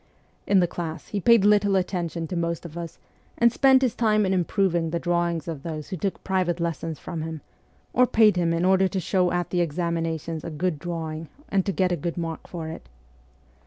In the class he paid little attention to most of us, and spent his time in improving the drawings of those who took private lessons from him, or paid him in order to show at the examinations a good drawing and to get a good mark for it.